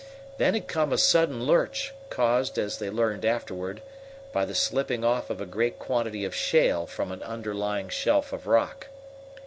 Then had come a sudden lurch, caused, as they learned afterward, by the slipping off of a great quantity of shale from an underlying shelf of rock.